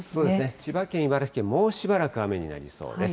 千葉県、茨城県、もうしばらく雨になりそうです。